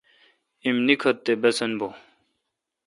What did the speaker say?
ایم نیکتھ تے باسن بھو۔